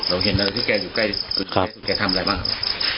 เราเห็นนะที่แกอยู่ใกล้ที่สุดแกทำอะไรบ้างครับ